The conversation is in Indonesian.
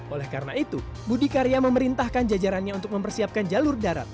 oleh karena itu budi karya memerintahkan jajarannya untuk mempersiapkan jalur darat